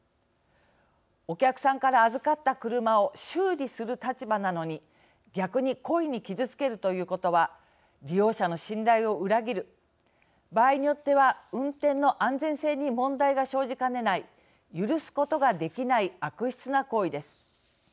お客さんから預かった車を修理する立場なのに逆に故意に傷つけるということは利用者の信頼を裏切る場合によっては運転の安全性に問題が生じかねない許すことができない悪質な行為です。